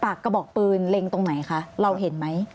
กระบอกปืนเล็งตรงไหนคะเราเห็นไหม